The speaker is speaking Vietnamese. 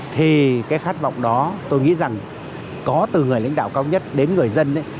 thì cái khát vọng đó tôi nghĩ rằng có từ người lãnh đạo cao nhất đến người dân